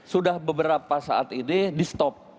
sudah beberapa saat ini di stop